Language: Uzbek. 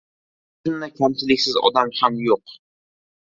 Xuddi shunday kamchiliksiz odam ham yo‘q.